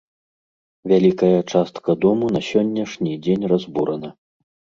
Вялікая частка дому на сённяшні дзень разбурана.